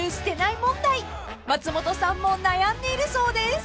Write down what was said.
［松本さんも悩んでいるそうです］